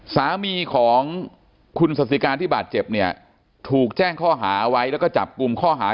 สามีของคุณสสิการที่บาดเจ็บเนี่ยถูกแจ้งข้อหาไว้แล้วก็จับกลุ่มข้อหา